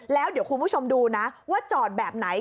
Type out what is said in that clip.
แล้วเดี๋ยวคุณผู้ชมดูนะว่าจอดแบบไหน